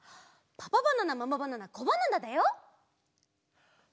パパバナナママバナナコバナナ！